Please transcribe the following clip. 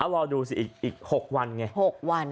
รอดูสิอีก๖วันไง๖วัน